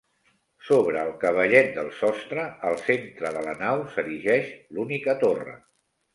Sobre el cavallet del sostre, al centre de la nau s'erigeix l'única torre.